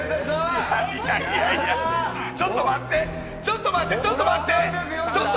ちょっと待って、ちょっと待って、ちょっと待って。